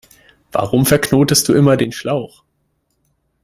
Warum verknotest du immer den Schlauch?